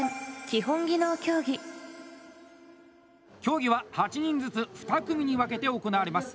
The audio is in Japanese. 競技は８人ずつ２組に分けて行われます。